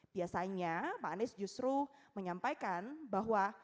biasanya pak anies justru menyampaikan bahwa